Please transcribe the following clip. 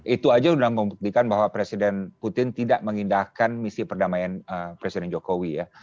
itu aja sudah membuktikan bahwa presiden putin tidak mengindahkan misi perdamaian presiden jokowi ya